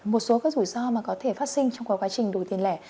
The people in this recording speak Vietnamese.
một số rủi ro có thể phát sinh trong quá trình đổi tiền lẻ